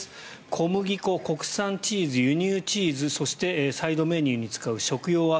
小麦粉、国産チーズ輸入チーズ、そしてサイドメニューに使う食用油